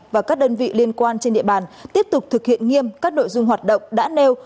và các đơn vị liên quan trên địa bàn tiếp tục thực hiện nghiêm các nội dung hoạt động đã nêu